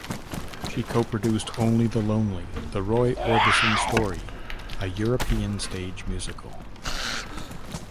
She co-produced "Only the Lonely: The Roy Orbison Story", a European stage musical.